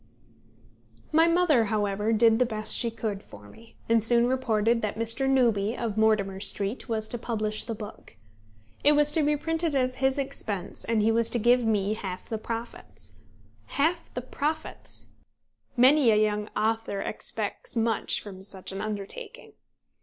My mother however did the best she could for me, and soon reported that Mr. Newby of Mortimer Street was to publish the book. It was to be printed at his expense, and he was to give me half the profits. Half the profits! Many a young author expects much from such an undertaking.